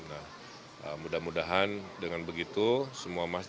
nah mudah mudahan dengan begitu semua masjid